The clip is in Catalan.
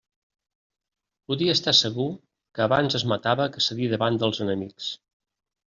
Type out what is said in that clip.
Podia estar segur que abans es matava que cedir davant dels enemics.